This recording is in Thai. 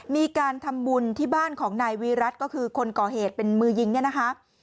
มีการทำบุญที่บ้านของนายวีรัติก็คือคนก่อเหตุเป็นมือยิงเนี่ยนะคะ